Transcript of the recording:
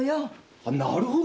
あっなるほど！